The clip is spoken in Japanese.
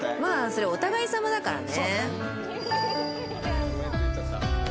それはお互いさまだからね。